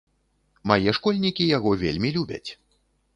Мае школьнікі яго вельмі любяць.